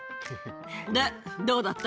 で、どうだった？